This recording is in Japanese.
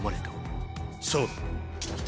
そうだ。